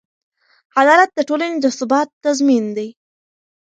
عدالت د ټولنې د ثبات تضمین دی.